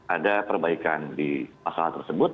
ada perbaikan di masalah tersebut